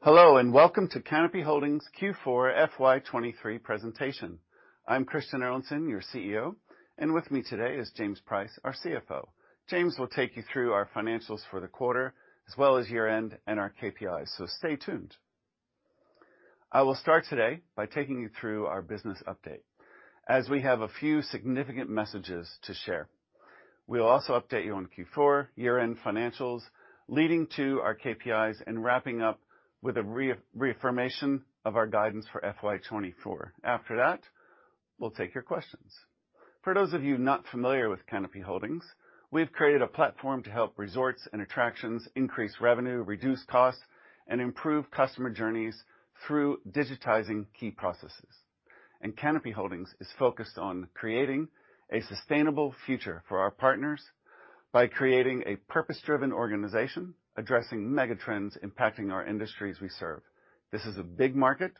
Hello, welcome to Canopy Holdings Q4 FY23 presentation. I'm Christian Erlandson, your CEO, and with me today is James Price, our CFO. James will take you through our financials for the quarter, as well as year-end and our KPIs, so stay tuned. I will start today by taking you through our business update, as we have a few significant messages to share. We'll also update you on Q4, year-end financials, leading to our KPIs, and wrapping up with a reaffirmation of our guidance for FY24. After that, we'll take your questions. For those of you not familiar with Canopy Holdings, we've created a platform to help resorts and attractions increase revenue, reduce costs, and improve customer journeys through digitizing key processes. Canopy Holdings is focused on creating a sustainable future for our partners by creating a purpose-driven organization, addressing mega trends impacting our industries we serve. This is a big market,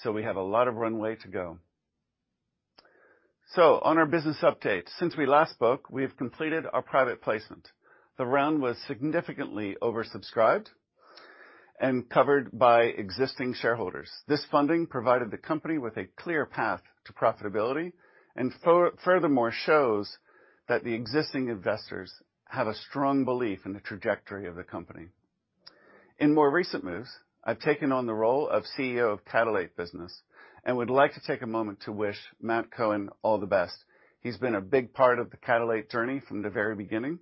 so we have a lot of runway to go. On our business update, since we last spoke, we have completed our private placement. The round was significantly oversubscribed and covered by existing shareholders. This funding provided the company with a clear path to profitability, and furthermore, shows that the existing investors have a strong belief in the trajectory of the company. In more recent moves, I've taken on the role of CEO of Catalate business and would like to take a moment to wish Matt Cohen all the best. He's been a big part of the Catalate journey from the very beginning,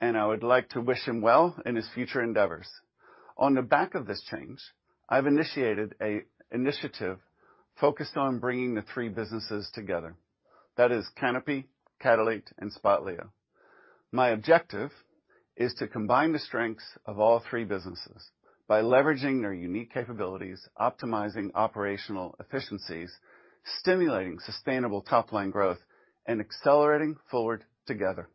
and I would like to wish him well in his future endeavors. On the back of this change, I've initiated a initiative focused on bringing the three businesses together. That is Canopy, Catalate, and Spotlio. My objective is to combine the strengths of all three businesses by leveraging their unique capabilities, optimizing operational efficiencies, stimulating sustainable top-line growth, and accelerating forward together.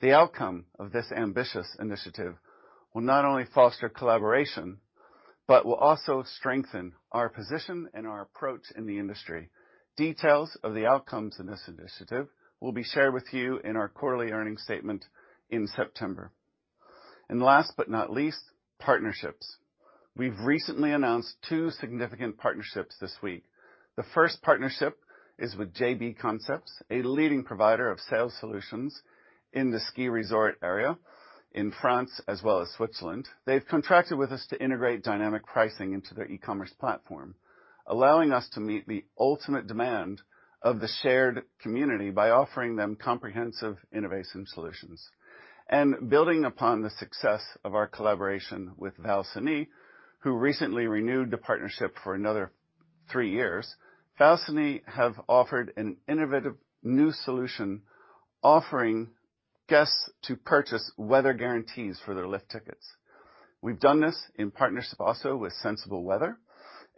The outcome of this ambitious initiative will not only foster collaboration, but will also strengthen our position and our approach in the industry. Details of the outcomes in this initiative will be shared with you in our quarterly earnings statement in September. Last but not least, partnerships. We've recently announced two significant partnerships this week. The first partnership is with JB Concept, a leading provider of sales solutions in the ski resort area in France as well as Switzerland. They've contracted with us to integrate Dynamic Pricing into their e-commerce platform, allowing us to meet the ultimate demand of the shared community by offering them comprehensive, innovative solutions. Building upon the success of our collaboration with Val Cenis, who recently renewed the partnership for another three years, Val Cenis have offered an innovative new solution, offering guests to purchase Weather Guarantees for their lift tickets. We've done this in partnership also with Sensible Weather,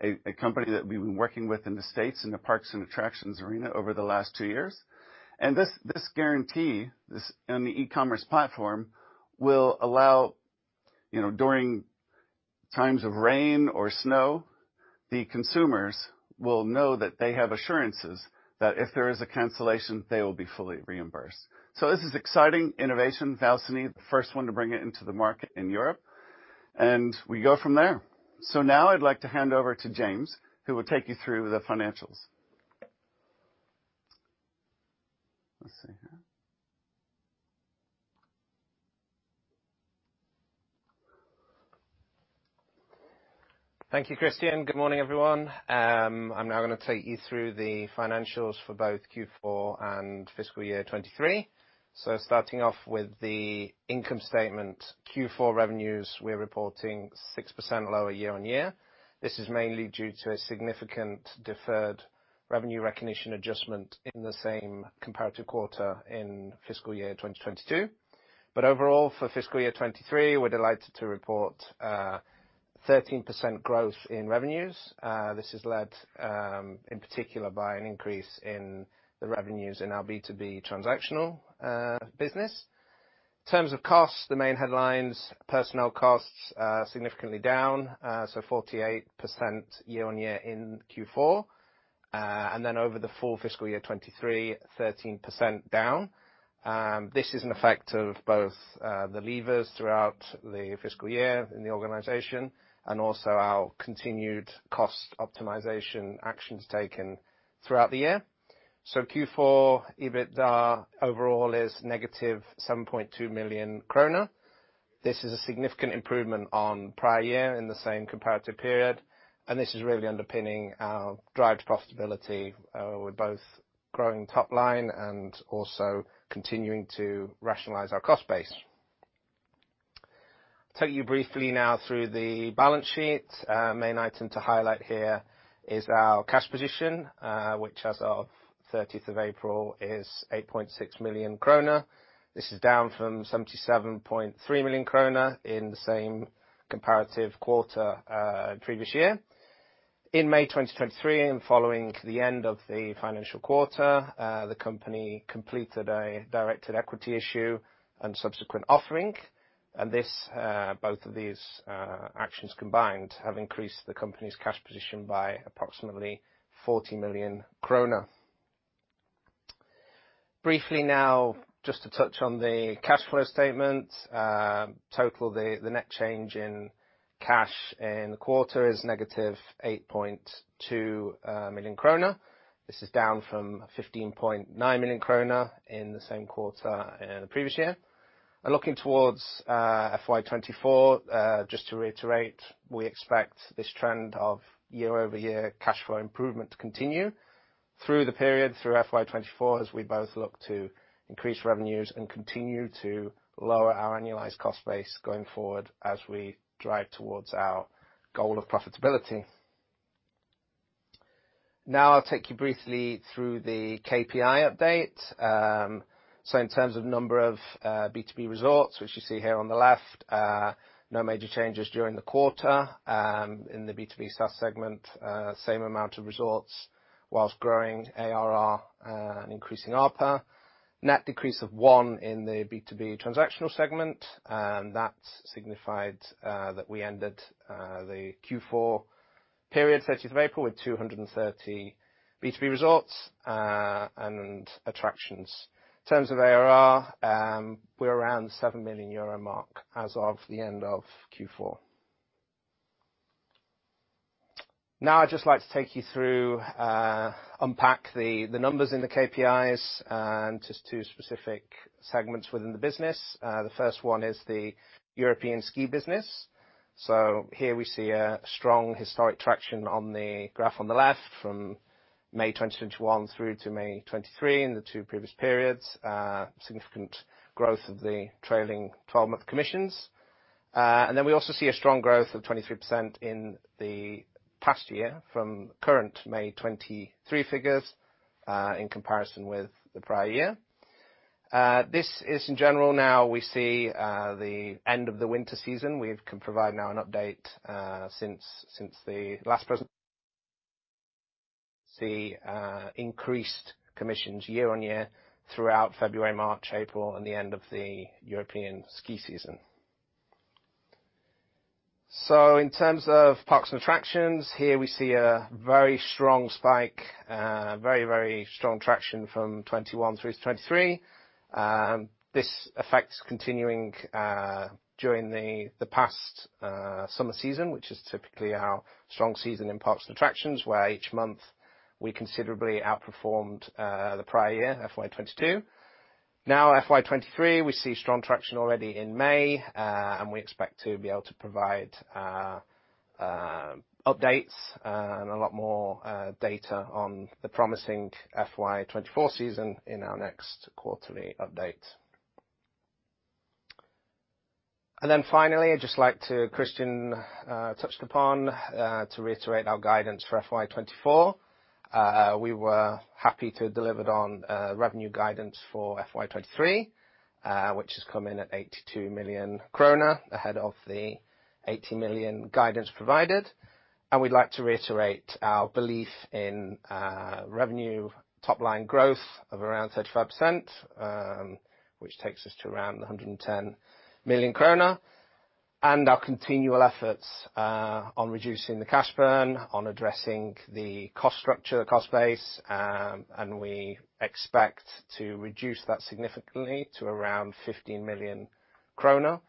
a company that we've been working with in the States, in the parks and attractions arena over the last two years. This guarantee and the e-commerce platform will allow, you know, during times of rain or snow, the consumers will know that they have assurances that if there is a cancellation, they will be fully reimbursed. This is exciting innovation. Val Cenis, the first one to bring it into the market in Europe. We go from there. Now I'd like to hand over to James, who will take you through the financials. Let's see here. Thank you, Christian. Good morning, everyone. I'm now gonna take you through the financials for both Q4 and fiscal year 2023. Starting off with the income statement, Q4 revenues, we're reporting 6% lower year-on-year. This is mainly due to a significant deferred revenue recognition adjustment in the same comparative quarter in fiscal year 2022. Overall, for fiscal year 2023, we're delighted to report 13% growth in revenues. This is led in particular by an increase in the revenues in our B2B transactional business. In terms of costs, the main headlines, personnel costs, significantly down, so 48% year-on-year in Q4. Over the full fiscal year 2023, 13% down. This is an effect of both the levers throughout the fiscal year in the organization and also our continued cost optimization actions taken throughout the year. Q4, EBITDA overall is negative 7.2 million krona. This is a significant improvement on prior year in the same comparative period, and this is really underpinning our drive to profitability. We're both growing top line and also continuing to rationalize our cost base. Take you briefly now through the balance sheet. Main item to highlight here is our cash position, which as of 30th of April, is 8.6 million krona. This is down from 77.3 million krona in the same comparative quarter, previous year. In May 2023, and following the end of the financial quarter, the company completed a directed equity issue and subsequent offering. This, both of these actions combined have increased the company's cash position by approximately SEK 40 million. Briefly now, just to touch on the cash flow statement. Total, the net change in cash in the quarter is negative 8.2 million krona. This is down from 15.9 million krona in the same quarter in the previous year. Looking towards FY24, just to reiterate, we expect this trend of year-over-year cash flow improvement to continue through the period, through FY24, as we both look to increase revenues and continue to lower our annualized cost base going forward, as we drive towards our goal of profitability. I'll take you briefly through the KPI update. In terms of number of B2B resorts, which you see here on the left, no major changes during the quarter. In the B2B SaaS segment, same amount of resorts, whilst growing ARR and increasing ARPA. Net decrease of 1 in the B2B transactional segment, and that signified that we ended the Q4 period, thirtieth of April, with 230 B2B resorts and attractions. In terms of ARR, we're around 7 million euro mark as of the end of Q4. Now, I'd just like to take you through unpack the numbers in the KPIs and just two specific segments within the business. The first one is the European ski business. Here we see a strong historic traction on the graph on the left from May 2021 through to May 2023 in the 2 previous periods. Significant growth of the trailing twelve-month commissions. We also see a strong growth of 23% in the past year from current May 2023 figures, in comparison with the prior year. This is in general, now we see the end of the winter season. We can provide now an update since the last press release. We see increased commissions year-on-year throughout February, March, April, and the end of the European ski season. In terms of parks and attractions, here we see a very strong spike, very strong traction from 2021 through to 2023. This effect's continuing during the past summer season, which is typically our strong season in parks and attractions, where each month we considerably outperformed the prior year, FY22. FY23, we see strong traction already in May, and we expect to be able to provide updates and a lot more data on the promising FY24 season in our next quarterly update. Finally, I'd just like to, Christian touched upon to reiterate our guidance for FY24. We were happy to have delivered on revenue guidance for FY23, which has come in at 82 million krona ahead of the 80 million guidance provided. We'd like to reiterate our belief in revenue top line growth of around 35%, which takes us to around 110 million krona, and our continual efforts on reducing the cash burn, on addressing the cost structure, the cost base. We expect to reduce that significantly to around 15 million krona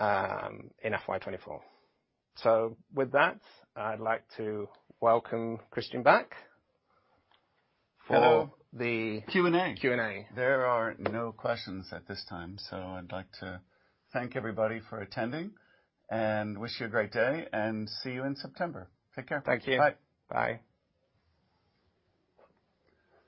in FY24. With that, I'd like to welcome Christian back. Hello. Q&A. Q&A. There are no questions at this time, so I'd like to thank everybody for attending, and wish you a great day, and see you in September. Take care. Thank you. Bye. Bye.